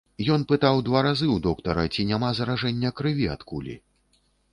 Ён пытаў два разы ў доктара, ці няма заражэння крыві ад кулі.